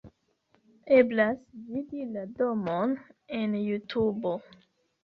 Eblas vidi la domon en Jutubo.